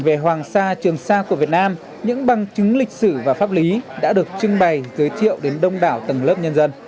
về hoàng sa trường sa của việt nam những bằng chứng lịch sử và pháp lý đã được trưng bày giới thiệu đến đông đảo tầng lớp nhân dân